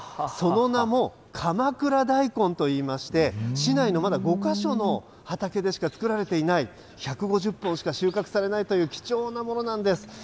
その名も、鎌倉大根といいまして、市内のまだ５か所の畑でしか作られていない、１５０本しか収穫されないという、貴重なものなんです。